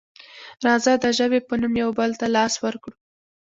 راځه د ژبې په نوم یو بل ته لاس ورکړو.